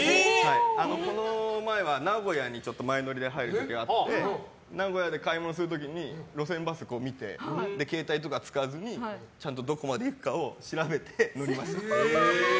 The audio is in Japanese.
この前は名古屋に前乗りで入る時があって名古屋で買い物する時に路線バスを見て携帯とか使わずにどこまで行くかを調べて乗りました。